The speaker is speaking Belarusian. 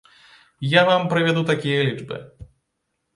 Я вам прывяду такія лічбы.